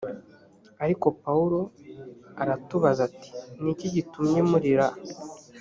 ariko pawulo aratubaza ati ni iki gitumye murira